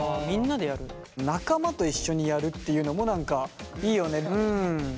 仲間と一緒にやるっていうのも何かいいよね。